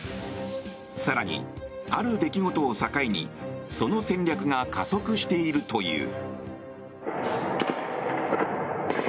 更に、ある出来事を境にその戦略が加速しているという。